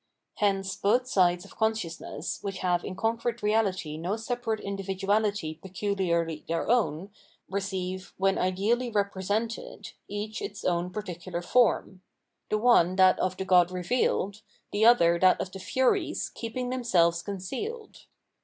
Hence both sides of consciousness, which have in concrete reality no separate individuahty peculiarly their own, receive, when ideally represented, each its own particular form : the one that of the god revealed, the other that of the Furies keeping themselves con cealed.